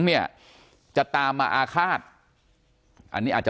การแก้เคล็ดบางอย่างแค่นั้นเอง